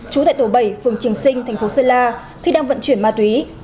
trú tại tổ bảy phường trường sinh thành phố sơn la khi đang vận chuyển ma túy